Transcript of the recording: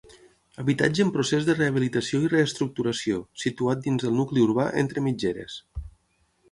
Habitatge en procés de rehabilitació i reestructuració, situat dins del nucli urbà, entre mitgeres.